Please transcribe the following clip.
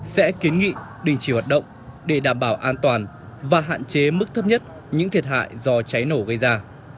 sẽ kiến nghị đình chỉ hoạt động để đảm bảo an toàn và hạn chế mức thấp nhất những thiệt hại do cháy nổ gây ra